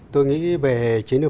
tôi nghĩ về chiến lược